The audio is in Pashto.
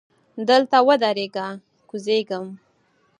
دلته ودریږه! کوزیږم.